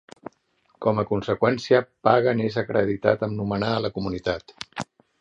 Com a conseqüència, Pagan és acreditat amb nomenar a la comunitat.